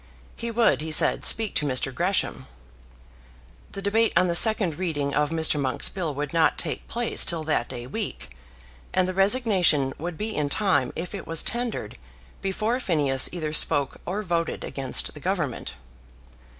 He would, he said, speak to Mr. Gresham. The debate on the second reading of Mr. Monk's bill would not take place till that day week, and the resignation would be in time if it was tendered before Phineas either spoke or voted against the Government.